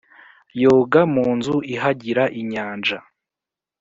yoga mu nzu ihagira inyanja